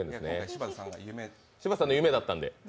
柴田さんの夢だったんで。